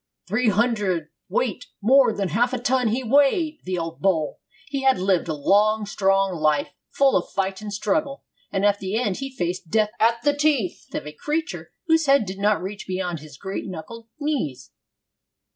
'Three hundredweight more than half a ton he weighed, the old bull; he had lived a long, strong life, full of fight and struggle, and at the end he faced death at the teeth of a creature whose head did not reach beyond his great knuckled knees!'